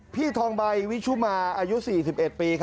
พี่ทองใบวิชุมาอายุ๔๑ปี